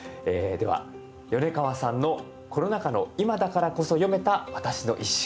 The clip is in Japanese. では米川さんの「コロナ禍の今だからこそ詠めた私の一首」